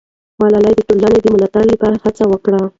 ملالۍ د ټولنې د ملاتړ لپاره هڅه وکړه.